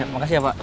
makasih ya pak